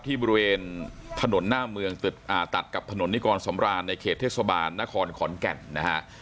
บริเวณถนนหน้าเมืองตัดกับถนนนิกรสำราญในเขตเทศบาลนครขอนแก่นนะฮะ